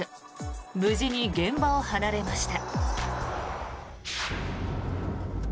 無事に現場を離れました。